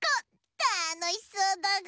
たのしそうだぐ！